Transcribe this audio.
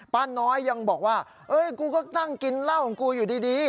ป้าน้อยยังบอกว่ากูก็นั่งกินเหล้าของกูอยู่ดี